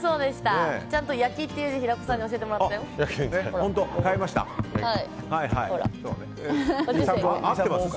ちゃんと「焼」っていう字平子さんに教えてもらったよ。